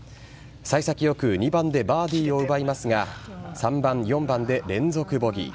さい先よく２番でバーディーを奪いますが、３番、４番で連続ボギー。